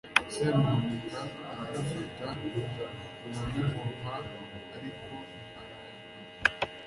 semuhanuka baramufata, baramuboha, ariko arahakana